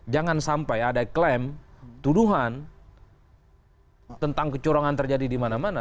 jangan sampai ada klaim tuduhan tentang kecurangan terjadi di mana mana